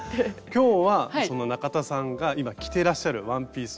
今日はその中田さんが今着てらっしゃるワンピースを。